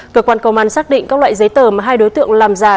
cơ quan công an xác định các loại giấy tờ mà hai đối tượng làm giả